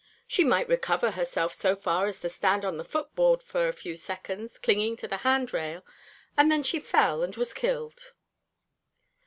She might recover herself so far as to stand on the foot board for a few seconds, clinging to the hand rail, and then she fell and was killed."